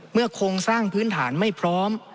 โครงสร้างพื้นฐานไม่พร้อม